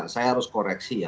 saya harus koreksi ya